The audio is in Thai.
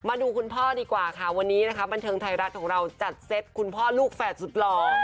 มาดูคุณพ่อดีกว่าค่ะวันนี้นะคะบันเทิงไทยรัฐของเราจัดเซตคุณพ่อลูกแฝดสุดหล่อ